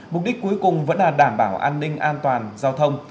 mục đích cuối cùng vẫn là đảm bảo an ninh an toàn giao thông